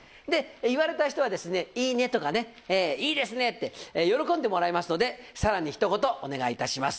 言われた人は「いいね」とかね「いいですね」って喜んでもらいますのでさらにひと言お願いいたします。